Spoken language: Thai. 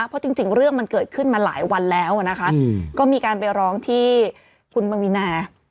เพราะจริงเรื่องมันเกิดขึ้นมาหลายวันแล้วนะคะก็มีการไปร้องที่คุณปวีนา